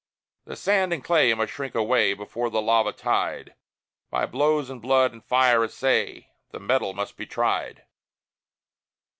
The sand and clay must shrink away Before the lava tide: By blows and blood and fire assay The metal must be tried.